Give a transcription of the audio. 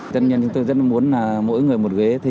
chân nhân chúng tôi rất là muốn là mỗi người một ghế